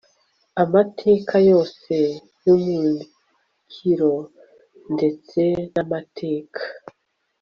amateka yose y'umukiro ndetse n'amateka